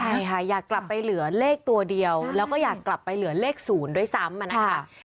ใช่ค่ะอยากกลับไปเหลือเลขตัวเดียวแล้วก็อยากกลับไปเหลือเลข๐ด้วยซ้ำนะคะ